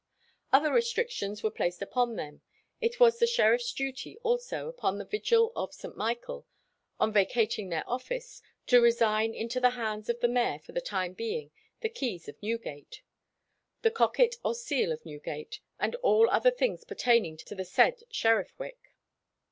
Other restrictions were placed upon them. It was the sheriffs' duty also, upon the vigil of St. Michael, on vacating their office, to resign into the hands of the mayor for the time being the keys of Newgate, the cocket or seal of Newgate, and all other things pertaining unto the said sheriffwick.